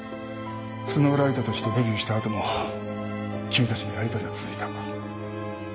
ＳＮＯＷＬＩＧＨＴとしてデビューしたあとも君たちのやり取りは続いた。